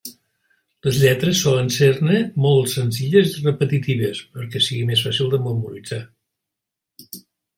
Les lletres solen ser-ne molt senzilles i repetitives, perquè sigui més fàcil de memoritzar.